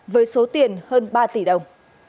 với số tiền hơn ba tỷ đồng